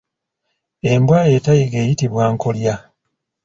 Embwa etayigga eyitibwa nkolya.